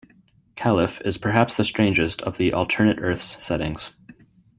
Caliph is perhaps the strangest of the "Alternate Earths" settings.